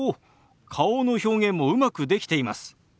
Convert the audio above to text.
顔の表現もうまくできています。